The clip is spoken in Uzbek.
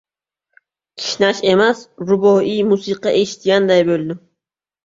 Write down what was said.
Kishnash emas, rubobiy musiqa eshitganday bo‘ldim!